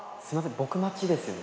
僕待ちですよね？